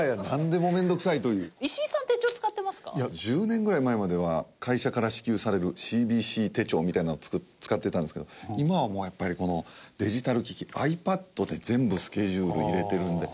１０年ぐらい前までは会社から支給されるＣＢＣ手帳みたいなのを使ってたんですけど今はもうやっぱりこのデジタル機器ｉＰａｄで全部スケジュール入れてるので。